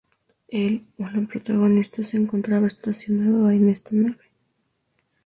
El o la protagonista se encontraba estacionado en esta nave.